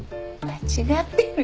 間違ってる。